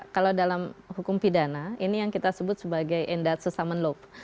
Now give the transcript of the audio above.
kalau dalam hukum pidana ini yang kita sebut sebagai endat sesumen load